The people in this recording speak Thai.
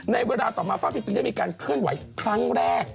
ในเวลาต่อมาฟาดปิงได้มีการเคลื่อนไหวครั้งแรก